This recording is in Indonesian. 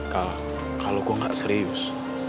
kal kalau gue gak serius